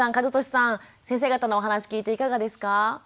和俊さん先生方のお話聞いていかがですか？